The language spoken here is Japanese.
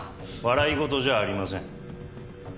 笑いごとじゃありません。